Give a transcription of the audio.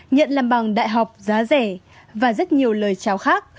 nhận làm bằng đại học giá rẻ và rất nhiều lời chào khác